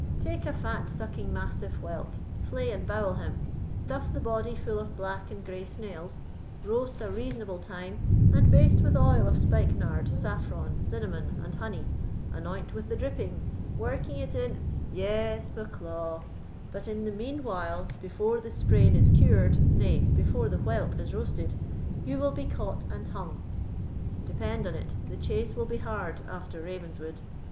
Take a fat sucking mastiff whelp, flay and bowel him, stuff the body full of black and grey snails, roast a reasonable time, and baste with oil of spikenard, saffron, cinnamon, and honey, anoint with the dripping, working it in——" "Yes, Bucklaw; but in the mean while, before the sprain is cured, nay, before the whelp is roasted, you will be caught and hung. Depend on it, the chase will be hard after Ravenswood.